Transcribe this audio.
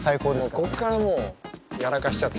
もうこっからもうやらかしちゃってるから。